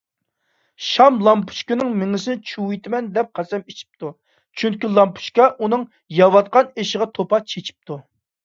شام لامپۇچكىنىڭ مېڭىسىنى چۇۋۇۋېتىمەن دەپ قەسەم ئىچىپتۇ، چۈنكى لامپۇچكا ئۇنىڭ يەۋاتقان ئېشىغا توپا چېچىپتۇ.